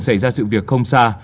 xảy ra sự việc không xa